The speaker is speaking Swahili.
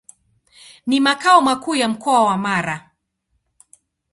Ni makao makuu ya Mkoa wa Mara.